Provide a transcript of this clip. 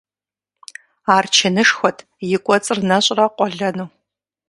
Ар чынышхуэт, и кӀуэцӀыр нэщӀрэ къуэлэну .